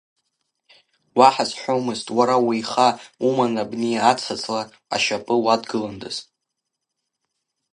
Уаҳа сҳәомызт, уара уеиха уман абни аца-ҵла ашьапы уадгыландаз…